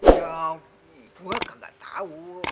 ya gue gak tau